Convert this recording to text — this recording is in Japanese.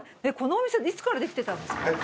このお店いつからできてたんですか？